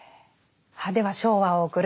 では「『昭和』を送る」